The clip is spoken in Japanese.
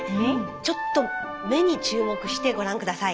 ちょっと目に注目してご覧下さい。